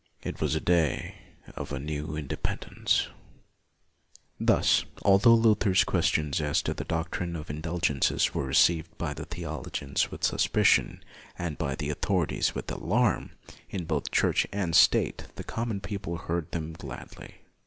It was the day of a new independence. 12 LUTHER Thus, although Luther's questions as to the doctrine of indulgences were received by the theologians with suspicion and by the authorities with alarm, in both Church and state, the common people heard them gladly.